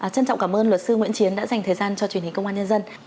trân trọng cảm ơn luật sư nguyễn chiến đã dành thời gian cho truyền hình công an nhân dân